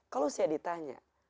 kalau saya ditanya